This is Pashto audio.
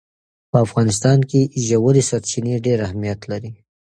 په افغانستان کې ژورې سرچینې ډېر اهمیت لري.